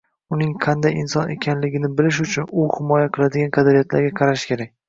uning qanday inson ekanligini bilish uchun u himoya qiladigan qadriyatlarga qarash kerak